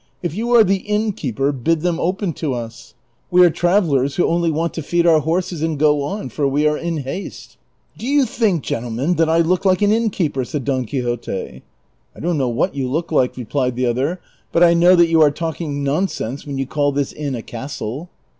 If you are the innkeeper bid them open to us ; we are travellers who only want to feed our horses and go on, for we are in haste." " Do you think, gentlemen, that I look like an innkeeper ?" said Don Quixote. " I don't know what you look like," replied the other ;'' but I know that you are talking nonsense when you call this inn a castle."